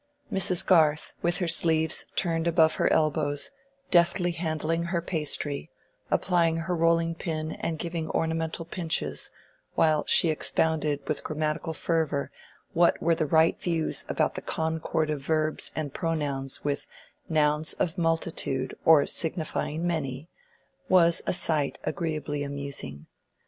Mrs. Garth, with her sleeves turned above her elbows, deftly handling her pastry—applying her rolling pin and giving ornamental pinches, while she expounded with grammatical fervor what were the right views about the concord of verbs and pronouns with "nouns of multitude or signifying many," was a sight agreeably amusing.